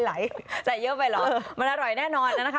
ไหลใส่เยอะไปเหรอมันอร่อยแน่นอนนะคะ